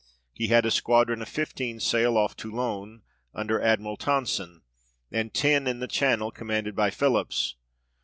He had a squadron of fifteen sail off Toulon, under Admiral Tonson ; and ten in the Channel, commanded by Philips.